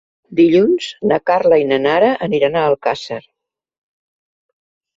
Dilluns na Carla i na Nara aniran a Alcàsser.